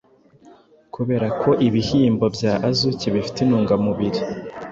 kubera ko ibihyimbo bya Azuki bifite intungamubiri